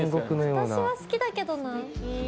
私は好きだけどな。